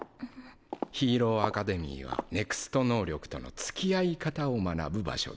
ヒーローアカデミーはＮＥＸＴ能力とのつきあい方を学ぶ場所です。